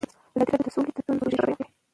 ازادي راډیو د سوله د ستونزو رېښه بیان کړې.